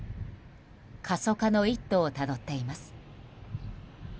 過疎化の一途をたどっています。